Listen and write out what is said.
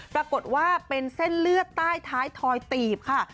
ปรากฏว่าเป็นเส้นเลือดใต้ท้ายถอยตีบค่ะ